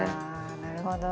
なるほど。